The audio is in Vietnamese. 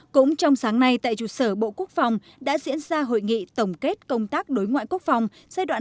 cũng trong sáng nay tại trụ sở bộ quốc phòng đã diễn ra hội nghị tổng kết công tác đối ngoại quốc phòng giai đoạn hai nghìn một mươi sáu hai nghìn hai mươi